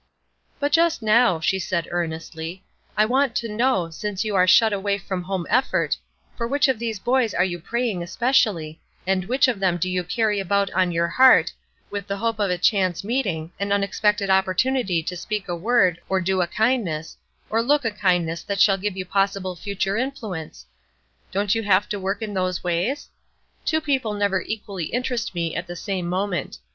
"But just now," she added, earnestly, "I want to know, since you are shut away from home effort, for which of these boys you are praying especially, and which of them do you carry about on your heart, with the hope of a chance meeting, an unexpected, opportunity to speak a word, or do a kindness, or look a kindness that shall give you possible future influence? Don't you have to work in those ways? Two people never equally interest me at the same moment.